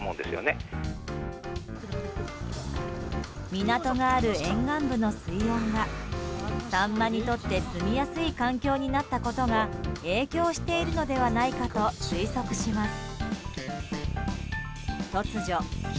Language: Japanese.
港がある沿岸部の水温がサンマにとってすみやすい環境になったことが影響しているのではないかと推測します。